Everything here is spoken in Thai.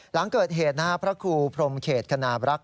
หลังเกิดเหตุพระครูพรมเขตคณาบรักษ